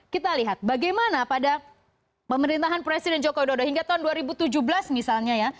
kita lihat bagaimana pada pemerintahan presiden joko widodo hingga tahun dua ribu tujuh belas misalnya ya